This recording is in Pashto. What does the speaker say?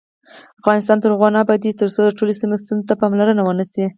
افغانستان تر هغو نه ابادیږي، ترڅو د ټولو سیمو ستونزو ته پاملرنه ونشي.